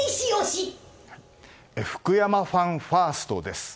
福山ファンファーストです。